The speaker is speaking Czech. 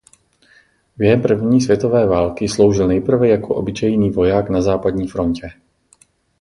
Během první světové války sloužil nejprve jako obyčejný voják na západní frontě.